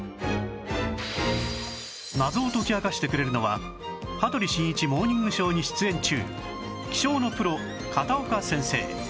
謎を解き明かしてくれるのは『羽鳥慎一モーニングショー』に出演中気象のプロ片岡先生